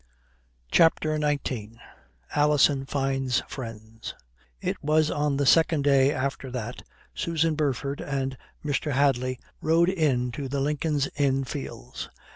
CHAPTER XIX ALISON FINDS FRIENDS It was on the second day after that Susan Burford and Mr. Hadley rode in to the Lincoln's Inn Fields.